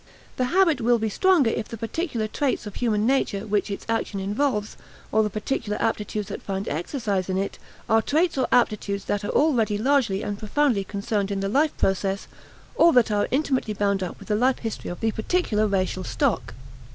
The habit will be stronger if the particular traits of human nature which its action involves, or the particular aptitudes that find exercise in it, are traits or aptitudes that are already largely and profoundly concerned in the life process or that are intimately bound up with the life history of the particular racial stock.